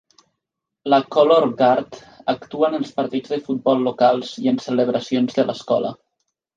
La Color Guard actua en els partits de futbol locals i en celebracions de l'escola.